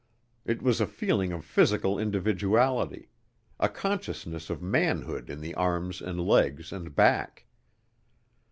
It was a feeling of physical individuality a consciousness of manhood in the arms and legs and back.